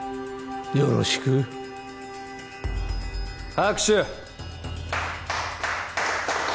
よろしく拍手！